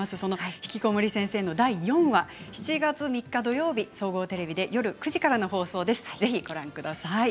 「ひきこもり先生」の第４話は７月３日土曜日総合テレビで夜９時からの放送です。